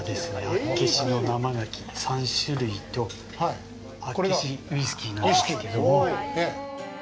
厚岸の生ガキ３種類と厚岸ウイスキーなんですけども。